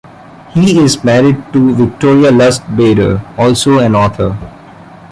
He is married to Victoria Lustbader, also an author.